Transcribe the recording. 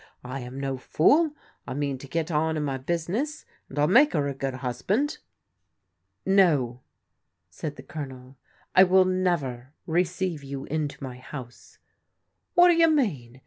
I am no fool. I mean to get on in my business, and I'll make her a good I husband." 1 " No," said the Colonel, " I will never receive you into my house." " What do you mean?